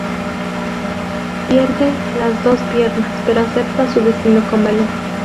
Pierde las dos piernas, pero acepta su destino con valor.